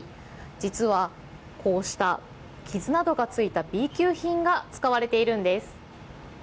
実は、こうした傷などがついたＢ級品が使われているんです。